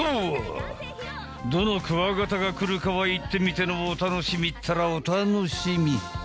どのくわがたが来るかは行ってみてのお楽しみったらお楽しみ。